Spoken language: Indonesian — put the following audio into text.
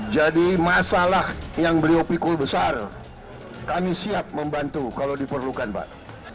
jadi masalah yang beliau pikul besar kami siap membantu kalau diperlukan pak